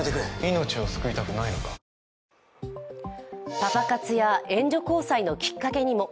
パパ活や援助交際のきっかけにも。